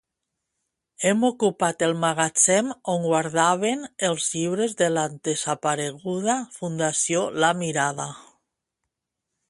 Hem ocupat el magatzem on guardaven els llibres de la desapareguda Fundació La Mirada